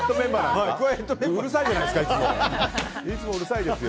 うるさいじゃないですかいつも。